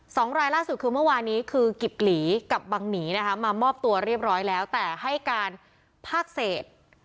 สองรายล่าสุดคือเมื่อวานี้คือกิบหลีกับบังหนีนะคะมามอบตัวเรียบร้อยแล้วแต่ให้การภาคเศษ